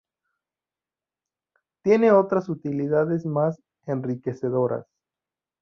tiene otras utilidades más enriquecedoras